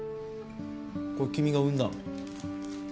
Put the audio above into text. これ君が生んだの？